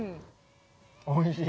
おいしい。